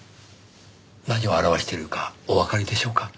何を表しているかおわかりでしょうか？